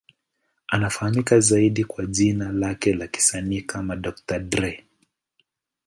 Anafahamika zaidi kwa jina lake la kisanii kama Dr. Dre.